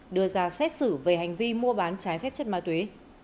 đưa ra xét xử về hành vi mua bán trái phép chất ma túy